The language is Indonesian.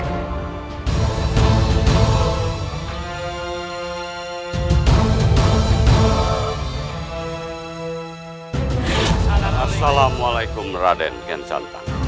assalamualaikum raden kiansanta